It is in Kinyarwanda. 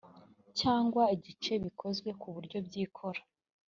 cyangwa igice bikozwe ku buryo byikora